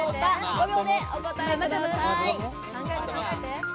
５秒でお答えください。